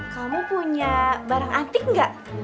kamu punya barang antik nggak